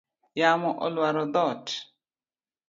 Yamo oluaro dhot